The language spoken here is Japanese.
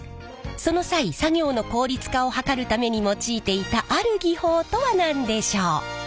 その際作業の効率化を図るために用いていたある技法とは何でしょう？